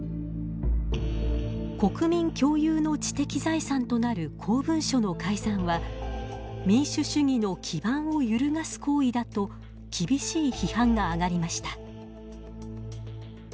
国民共有の知的財産となる公文書の改ざんは民主主義の基盤を揺るがす行為だと厳しい批判が上がりました。